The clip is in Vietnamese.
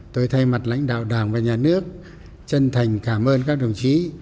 tôi thay mặt lãnh đạo đảng và nhà nước chân thành cảm ơn các đồng chí